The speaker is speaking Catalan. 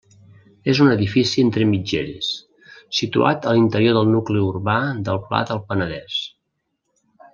És un edifici entre mitgeres, situat a l'interior del nucli urbà del Pla del Penedès.